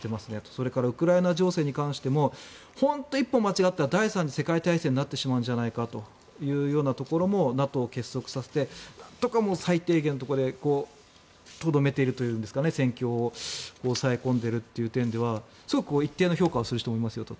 それからウクライナ情勢に関しても本当に一歩間違ったら第３次世界大戦になってしまうのではないかというところもＮＡＴＯを結束させて南砺か最低限のところでとどめているというんですが戦況を抑え込んでいるという点では一定の評価をする人もいますよと。